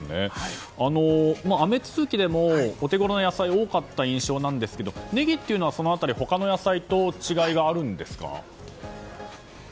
雨続きでも、お手ごろな野菜多かった印象なんですけどネギというのはその辺りは他の野菜と違いがあるんですか？